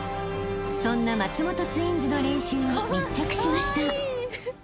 ［そんな松本ツインズの練習に密着しました］